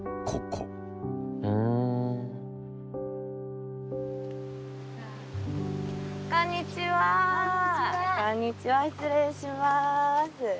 こんにちは失礼します。